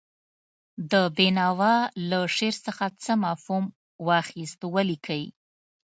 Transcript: د بېنوا له شعر څخه څه مفهوم واخیست ولیکئ.